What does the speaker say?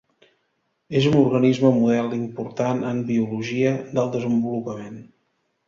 És un organisme model important en biologia del desenvolupament.